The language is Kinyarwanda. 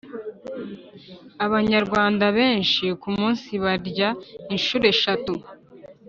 abanyarwanda benshi ku munsi barya inshuro eshatu (